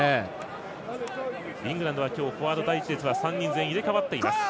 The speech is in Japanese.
イングランドは今日フォワード第１列は３人全員、入れ代わっています。